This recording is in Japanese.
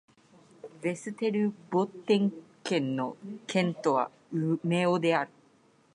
ヴェステルボッテン県の県都はウメオである